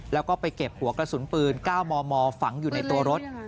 แล้วก็ไปเก็บหัวกระสุนปืน๙มมฝังอยู่ในตัวรถ